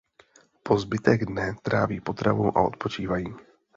Po zbytek dne tráví potravu a odpočívají.